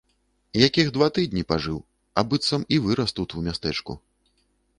Якіх два тыдні пажыў, а быццам і вырас тут, у мястэчку.